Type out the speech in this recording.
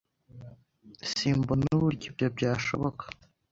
Simbona uburyo ibyo byashoboka.